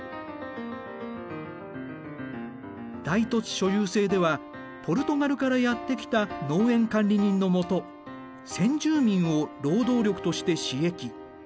大土地所有制ではポルトガルからやって来た農園管理人の下先住民を労働力として使役。